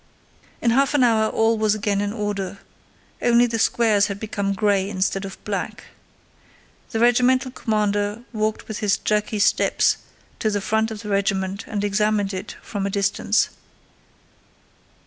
In half an hour all was again in order, only the squares had become gray instead of black. The regimental commander walked with his jerky steps to the front of the regiment and examined it from a distance.